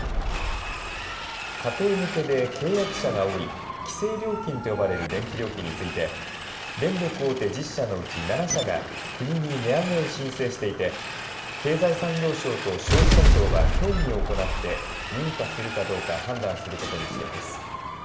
家庭向けで契約者が多い規制料金と呼ばれる電気料金について電力大手１０社のうち７社が国に値上げを申請していて経済産業省と消費者庁は協議を行って認可するかどうか判断することにしています。